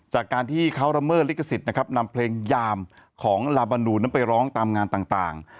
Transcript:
จากการที่เขาละเมิดลิขสิทธิ์นะครับนำเพลงยามของลาบานูนั้นไปร้องตามงานต่าง